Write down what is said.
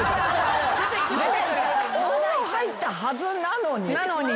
お風呂入ったはずなのに。